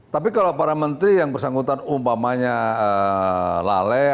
tapi kalau para menteri yang bersangkutan umpamanya laleh